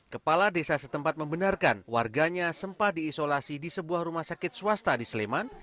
kepala desa setempat membenarkan warganya sempat diisolasi di sebuah rumah sakit swasta di sleman